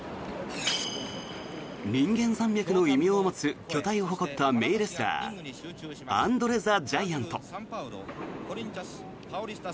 人間山脈の異名を持つ巨体を誇った名レスラーアンドレ・ザ・ジャイアント。